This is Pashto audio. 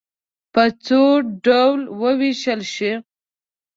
په څو ډلو وویشل شئ.